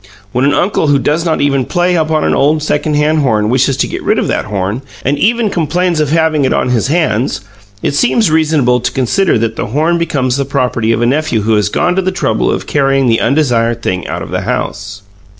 When an uncle who does not even play upon an old second hand horn wishes to get rid of that horn, and even complains of having it on his hands, it seems reasonable to consider that the horn becomes the property of a nephew who has gone to the trouble of carrying the undesired thing out of the house.